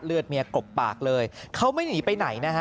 เลือดเมียกบปากเลยเขาไม่หนีไปไหน